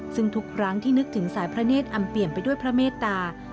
ซึ่งทุกครั้งที่นึกถึงสายพระเนธอำเปลี่ยนไปด้วยพระเมตตา